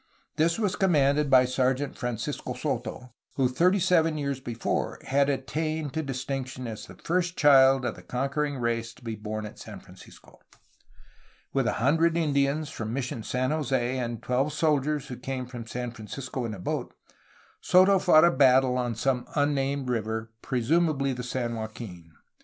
This was commanded by Sergeant Francisco Soto, who thirty seven years before had attained to distinction as the first child of the conquering race to be born at San Francisco. With a hundred Indians from Mis sion San Jose and twelve soldiers who came from San Francisco in a boat, Soto fought a battle on some unnamed river, presumably the San Joaquin.